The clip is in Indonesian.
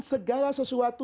sebuah tema besar